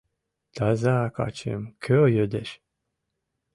Таза качым кӧ йодеш?